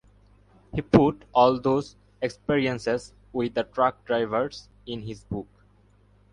He put all those experiences with the truck drivers in his book.